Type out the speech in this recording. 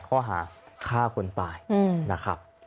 ข้อหาฆ่าคนตายนะครับ